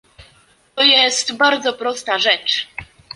To jest bardzo prosta rzecz